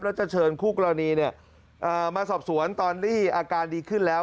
แล้วจะเชิญคู่กรณีมาสอบสวนตอนที่อาการดีขึ้นแล้ว